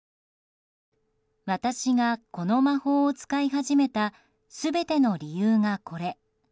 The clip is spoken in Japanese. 私が魔法を使い始めた全ての理由がこれ。